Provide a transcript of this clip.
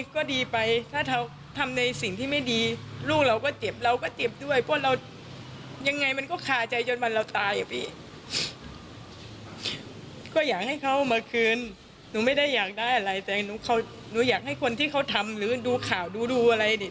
ก็อยากให้เขามาคืนหนูไม่ได้อยากได้อะไรแต่หนูอยากให้คนที่เขาทำหรือดูข่าวดูดูอะไรเนี่ย